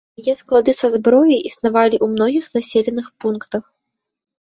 Яе склады са зброяй існавалі ў многіх населеных пунктах.